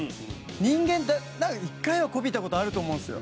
人間って一回は媚びた事あると思うんですよ。